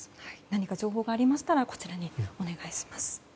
何か情報がありましたらこちらにお願いします。